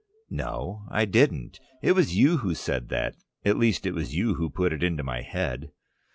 "No, I didn't. It was you who said that, at least it was you who put it into my head."